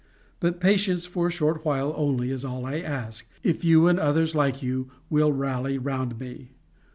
But patience for a short while only is all I ask, if you and others like you will rally around me.